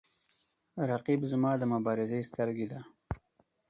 رقیب زما د مبارزې سترګې ده